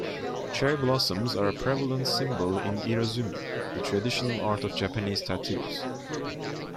Cherry blossoms are a prevalent symbol in Irezumi, the traditional art of Japanese tattoos.